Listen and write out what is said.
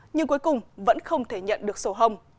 nhưng cuối cùng vẫn không thể nhận được sổ hồng